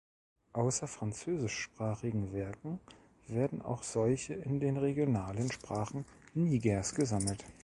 Außer französischsprachigen Werken werden auch solche in den regionalen Sprachen Nigers gesammelt.